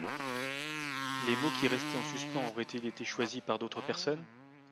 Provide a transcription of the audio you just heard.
Les mots qui restaient en suspens auraient-ils été choisis par d’autres personnes ?